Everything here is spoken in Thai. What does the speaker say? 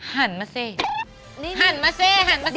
หันมาเซหันมาเซหันมาเซ